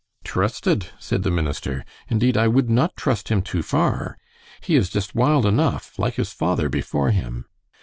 "Trusted?" said the minister; "indeed, I would not trust him too far. He is just wild enough, like his father before him."